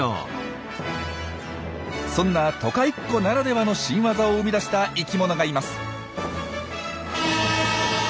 そんな都会っ子ならではの新ワザを生み出した生きものがいます。